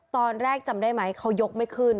ตอนแรกจำได้ไหมเขายกไม่ขึ้น